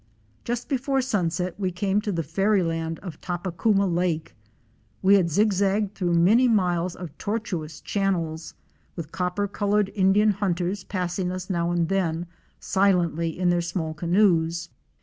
Just before sunset we came to the fairyland of Tapakuma Lake. We had zigzagged through many miles of tortuous channels, with copper colored Indian hunters passing us now and then, silently in their small canoes.